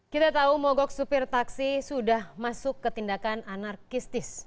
kita tahu mogok supir taksi sudah masuk ke tindakan anarkistis